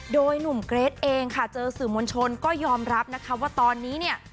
โดยหนุ่มเกรทเองค่ะเจอสื่อมวลชนก็ยอมรับนะคะว่าตอนนี้เนี่ย